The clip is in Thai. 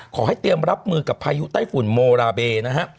ขอให้เตรียมรับมือกับพายุไต้ฝุ่นโมราเบนะฮะ